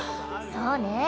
そうね。